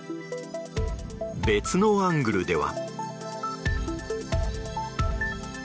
別のアングルでは。